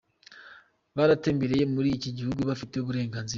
baratembereye muri iki gihugu bafite uburenganzira .